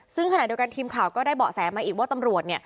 ซึ่งขณะเดียวกันทีมข่าวก็ได้เบาะแสมาอีกว่าตำรวจเนี่ย